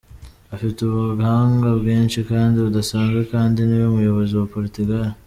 Afite ubuhanga bwinshi kandi budasanzwe kandi niwe muyobozi wa Portugal.